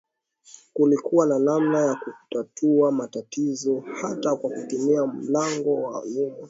Kulikuwa na namna ya kutatua matatizo hata kwa kutumia mlango wa nyuma